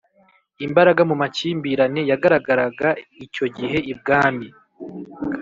Imbaraga mu makimbirane yagaragaraga icyo gihe ibwami